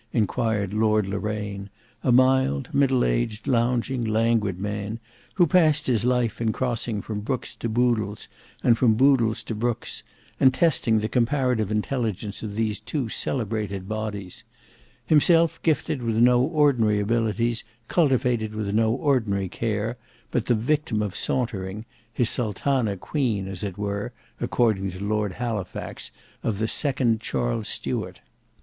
enquired Lord Loraine, a mild, middle aged, lounging, languid man, who passed his life in crossing from Brookes' to Boodle's and from Boodle's to Brookes', and testing the comparative intelligence of these two celebrated bodies; himself gifted with no ordinary abilities cultivated with no ordinary care, but the victim of sauntering, his sultana queen, as it was, according to Lord Halifax, of the second Charles Stuart.